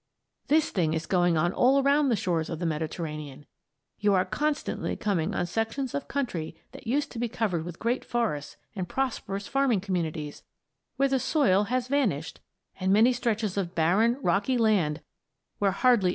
This thing is going on all around the shores of the Mediterranean. You are constantly coming on sections of country that used to be covered with great forests and prosperous farming communities where the soil has vanished, and many stretches of barren, rocky land where hardly a weed can find a foothold.